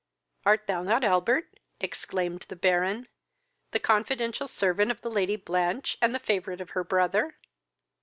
"Art thou not Albert? (exclaimed the Baron,) the confidential servant of the Lady Blanch, and the favourite of her brother?"